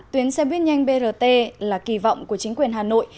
tuyến xe buýt nhanh brt là kỳ vọng của chính quyền hà nội